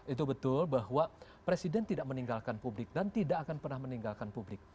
itu betul bahwa presiden tidak meninggalkan publik dan tidak akan pernah meninggalkan publik